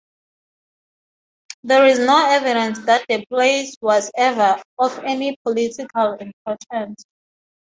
There is no evidence that the place was ever of any political importance.